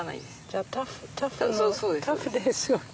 じゃあタフタフですよ。